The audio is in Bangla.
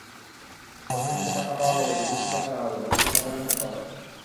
অতিরিক্ত টাকা পাওয়া গেলে বিদেশি কোচ আনা হবে, বললেন সাধারণ সম্পাদক।